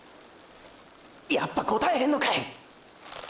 やっぱ答えへんのかい！！